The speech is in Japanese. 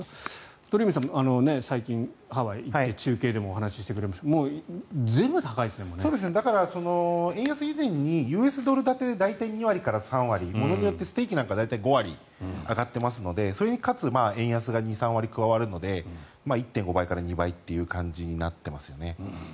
鳥海さん、最近ハワイ行って中継でもお話ししてくれましたがだから、円安以前にＵＳドル建てで大体２割、３割ものによってステーキなんかは５割上がっていて円安で２３割上がるので１．５倍から２倍という感じになっていますよね。